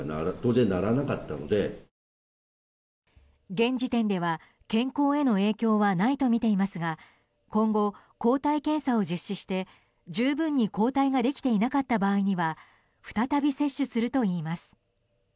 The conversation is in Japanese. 現時点では健康への影響はないとみていますが今後、抗体検査を実施して十分に抗体ができていなかった場合には再び接種するといいます。